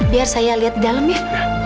biar saya lihat di dalam ya